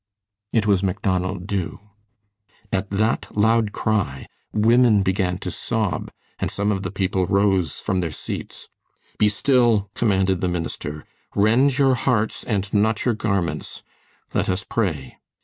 It was Macdonald Dubh. At that loud cry, women began to sob, and some of the people rose from their seats. "Be still," commanded the minister. "Rend your hearts and not your garments. Let us pray."